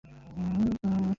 এখানের কেউ নিরাপদ নয়, সত্য।